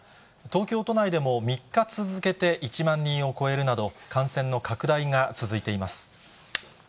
東京都内でも３日続けて１万人を超えるなど、感染の拡大が続いています。